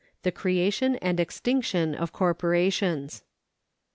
The Creation and Extinction of Corporations.